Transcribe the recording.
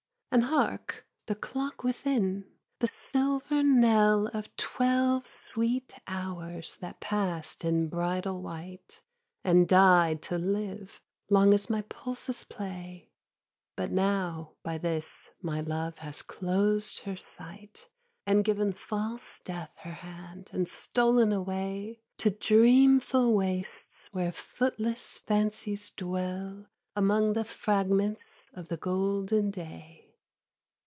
And hark the clock within, the silver knell Of twelve sweet hours that past in bridal white, And died to live, long as my pulses play; But now by this my love has closed her sight And given false death her hand, and stol'n away To dreamful wastes where footless fancies dwell Among the fragments of the golden day.